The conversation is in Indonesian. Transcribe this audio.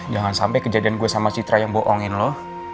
jangan sampai kejadian gue sama citra yang bohongin loh